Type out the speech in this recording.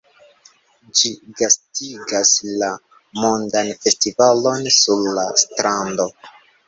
Ĝi gastigas la Mondan Festivalon sur la Strando.